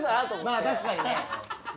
まあ確かにね。